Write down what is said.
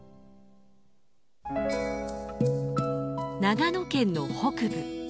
長野県の北部。